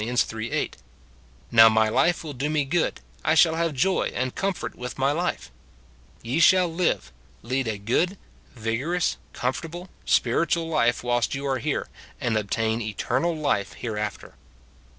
8 ;—" Now my life will do me good ; I shall have joy and comfort with my life ;"— "Ye shall live, lead a good, vigorous, comfortable, spiritual life whilst you are here, and obtain eternal life hereafter."